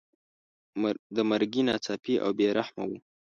د مرګي ناڅاپي او بې رحمه وو.